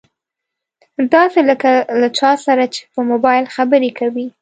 داسې لکه له چا سره چې په مبايل خبرې کوي.